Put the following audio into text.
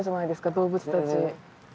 動物たち。